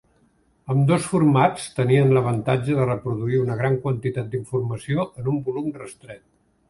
Ambdós formats tenien l'avantatge de reproduir una gran quantitat d'informació en un volum restret.